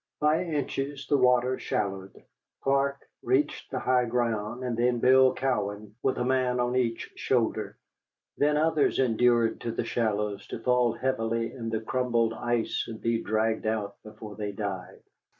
By inches the water shallowed. Clark reached the high ground, and then Bill Cowan, with a man on each shoulder. Then others endured to the shallows to fall heavily in the crumbled ice and be dragged out before they died.